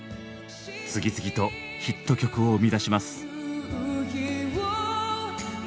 次々とヒット曲を生み出します。